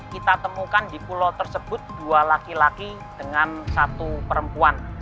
kita temukan di pulau tersebut dua laki laki dengan satu perempuan